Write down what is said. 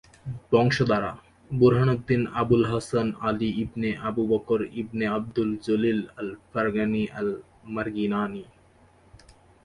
বংশধারা: Burhan Uddin Abul Hasan Ali Ibn Abu Bakr Ibn Abdul Jalil al-Farghani আল-মারগিনানী।